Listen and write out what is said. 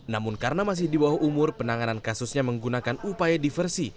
namun karena masih di bawah umur penanganan kasusnya menggunakan upaya diversi